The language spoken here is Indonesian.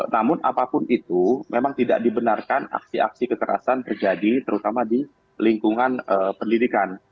namun apapun itu memang tidak dibenarkan aksi aksi kekerasan terjadi terutama di lingkungan pendidikan